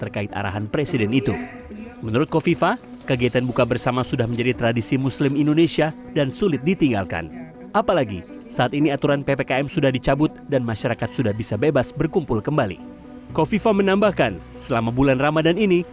kofifa menambahkan selama bulan ramadan ini